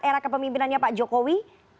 era kepemimpinannya pak jokowi